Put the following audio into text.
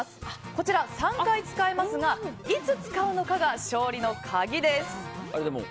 こちら３回使えますがいつ使うのかが勝利の鍵です。